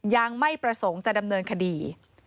ยังไม่ประสงค์จะดำเนินคดี